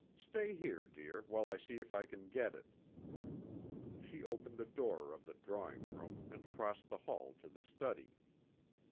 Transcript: Stay here, dear, while I see if I can get it." She opened the door of the drawing room and crossed the hall to the study.